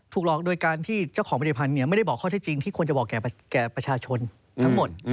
หลอกโดยการที่เจ้าของผลิตภัณฑ์ไม่ได้บอกข้อเท็จจริงที่ควรจะบอกแก่ประชาชนทั้งหมด